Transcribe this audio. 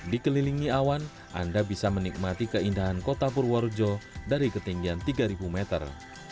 dikelilingi awan anda bisa menikmati keindahan kota purworejo dari ketinggian tiga meter